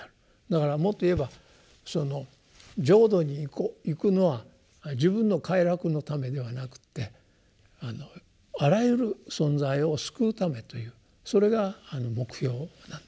だからもっと言えば浄土に行くのは自分の快楽のためではなくってあらゆる存在を救うためというそれが目標なんですね。